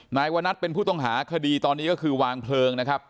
นายวนัทเป็นผู้ต้องหาคดีตอนนี้ก็คือวางเพลิงนะครับ